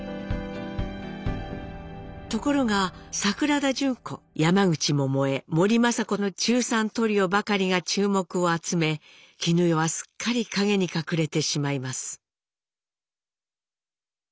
ところが桜田淳子山口百恵森昌子の「中三トリオ」ばかりが注目を集め絹代はすっかり陰に隠れてしまいます。